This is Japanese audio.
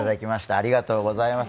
ありがとうございます。